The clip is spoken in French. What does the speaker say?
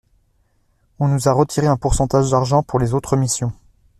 On nous a retiré un pourcentage d’argent pour les autres missions.